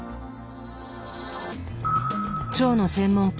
腸の専門家